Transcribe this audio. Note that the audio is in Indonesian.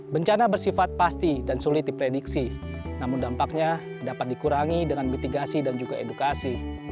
bencana bersifat pasti dan sulit diprediksi namun dampaknya dapat dikurangi dengan mitigasi dan juga edukasi